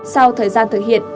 sau thời gian thực hiện